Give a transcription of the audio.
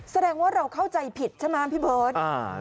แสดงว่าเราเข้าใจผิดใช่ไหมพี่เบิร์ต